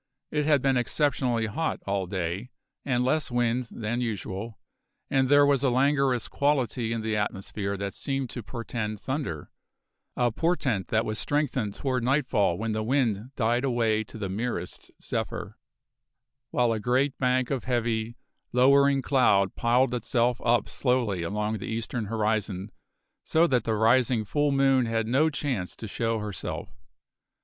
It had been exceptionally hot all day, with less wind than usual, and there was a languorous quality in the atmosphere that seemed to portend thunder, a portent that was strengthened toward nightfall when the wind died away to the merest zephyr, while a great bank of heavy, lowering cloud piled itself up slowly along the eastern horizon so that the rising full moon had no chance to show herself.